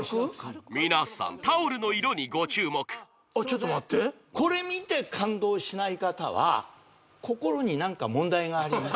皆さんタオルの色にご注目ちょっと待ってこれ見て感動しない方は心に何か問題があります